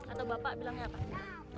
atau bapak bilangnya apa